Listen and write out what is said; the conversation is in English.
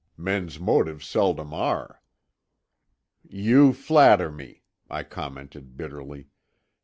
Men's motives seldom are." "You flatter me," I commented bitterly.